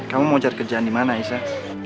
kamu mau cari kerjaan dimana aisyah